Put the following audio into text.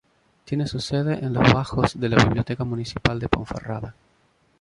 Tiene su sede en los bajos de la Biblioteca Municipal de Ponferrada.